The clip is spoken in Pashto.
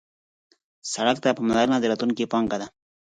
سړک ته پاملرنه د راتلونکي پانګه ده.